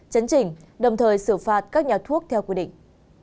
chấn chỉnh đồng thời xử phạt các nhà thuốc theo quy định